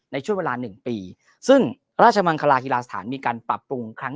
ในช่วงเวลาหนึ่งปีซึ่งราชมังคลาฮิลาสถานมีการปรับปรุงครั้ง